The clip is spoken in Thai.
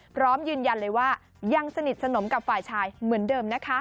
พร้อมยืนยันเลยว่ายังสนิทสนมกับฝ่ายชายเหมือนเดิมนะคะ